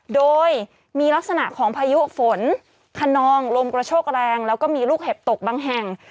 โดยมีลักษณะของพายุฝนองลมกระโชกแรงแล้วก็มีลูกเห็บตกบางแห่ง